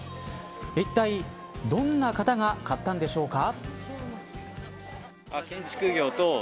いったいどんな方が買ったんでしょうか。